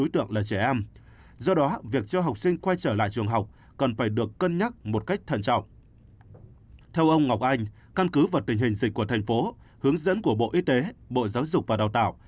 theo ông ngọc anh căn cứ vào tình hình dịch của thành phố hướng dẫn của bộ y tế bộ giáo dục và đào tạo